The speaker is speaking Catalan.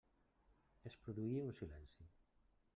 Es produí un silenci.